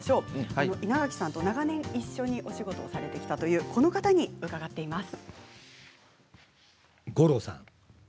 稲垣さんと長年一緒にお仕事をされてきたというこの方に伺っています。